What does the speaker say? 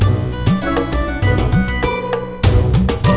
dot dot dot buka dot buka dot